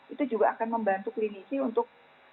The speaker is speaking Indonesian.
itu juga akan membantu klinisi untuk